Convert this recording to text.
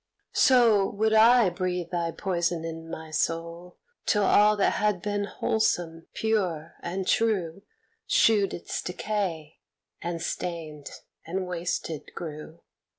So would I breathe thy poison in my soul, Till all that had been wholesome, pure, and true Shewed its decay, and stained and wasted grew.